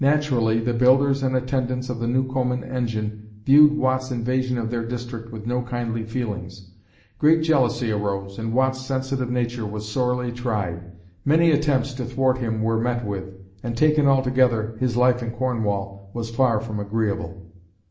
Naturally the builders and attendants of the Newcomen engine viewed Watt's invasion of their district with no kindly feelings. Great jealousy arose and Watt's sensitive nature was sorely tried. Many attempts to thwart him were met with, and, taken altogether, his life in Cornwall was far from agreeable.